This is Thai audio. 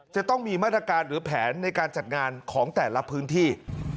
จะต้องมีมาตรการหรือแผนในการจัดงานของแต่ละพื้นที่